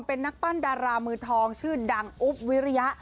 เป็นนักปั้นดารามือทองชื่อดังอุ๊บวิริยะ